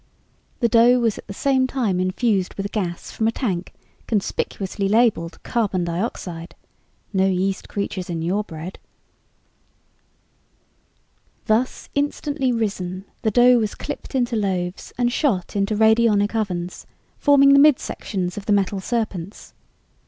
The dough was at the same time infused with gas from a tank conspicuously labeled "Carbon Dioxide" ("No Yeast Creatures in Your Bread!"). Thus instantly risen, the dough was clipped into loaves and shot into radionic ovens forming the midsections of the metal serpents.